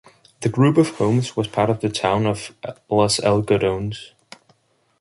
The group of homes was part of the town of Los Algodones.